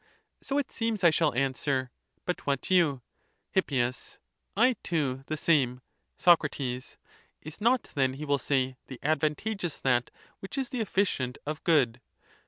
So it seems, I shall answer. But what you? Hip. I too (the same). Soc. Is not then, he will say, the advantageous that, which is the efficient of good?